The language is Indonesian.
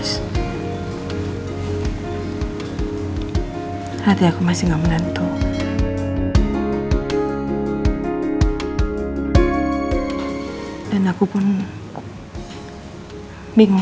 saya mau kita selamanya bersama dino